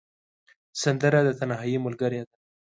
سندره د تنهايي ملګرې ده